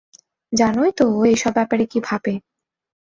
জানোই তো ও এসব ব্যাপারে কী ভাবে।